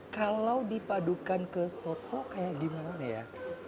kalau dipadukan ke soto kayak gimana ya